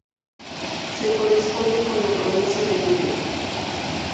Se corresponde con la provincia de Lugo.